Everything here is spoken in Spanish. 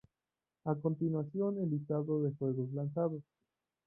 A continuación el listado de juegos lanzados.